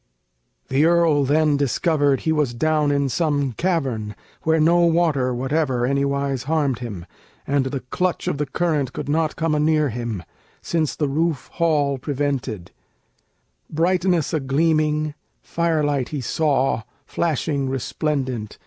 ] The earl then discovered he was down in some cavern Where no water whatever anywise harmed him, And the clutch of the current could come not anear him, Since the roofed hall prevented; brightness a gleaming, Fire light he saw, flashing resplendent.